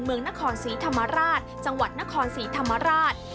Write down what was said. เมืองนครศรีธรรมราชจังหวัดนครศรีธรรมราช